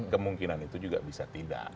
kemungkinan itu juga bisa tidak